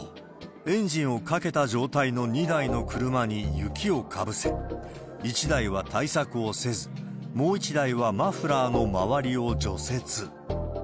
エンジンをかけた状態の２台の車に雪をかぶせ、１台は対策をせず、もう１台はマフラーの周りを除雪。